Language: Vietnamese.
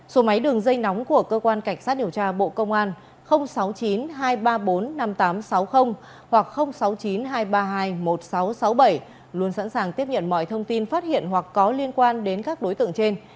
số máy đường dây nóng của cơ quan cảnh sát điều tra bộ công an sáu mươi chín hai trăm ba mươi bốn năm nghìn tám trăm sáu mươi hoặc sáu mươi chín hai trăm ba mươi hai một nghìn sáu trăm sáu mươi bảy luôn sẵn sàng tiếp nhận mọi thông tin phát hiện hoặc có liên quan đến các đối tượng trên